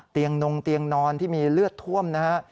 เตียงนงเตียงนอนที่มีเลือดท่วมนะครับ